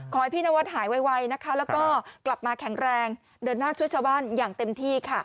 ขอให้พี่นวัดหายไวนะคะแล้วก็กลับมาแข็งแรงเดินหน้าช่วยชาวบ้านอย่างเต็มที่ค่ะ